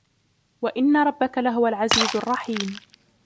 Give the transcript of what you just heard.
وإن ربك لهو العزيز الرحيم